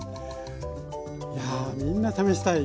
やあみんな試したい。